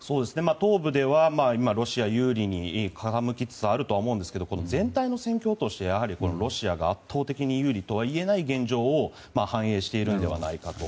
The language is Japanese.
東部ではロシア有利に傾きつつあると思うんですがこの全体の戦況としてやはりロシアが圧倒的に有利とはいえない現状を反映しているのではないかと